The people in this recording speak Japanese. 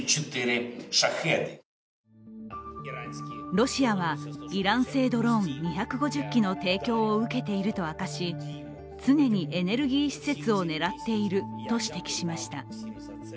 ロシアはイラン製ドローン２５０機の提供を受けていると明かし、常にエネルギー施設を狙っていると指摘しました。